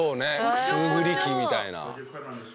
くすぐり機みたいな。